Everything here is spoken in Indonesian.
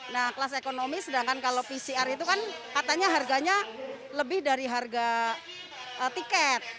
nah kelas ekonomi sedangkan kalau pcr itu kan katanya harganya lebih dari harga tiket